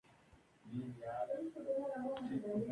El transporte de masa expulsado del Sol se conoce como viento solar.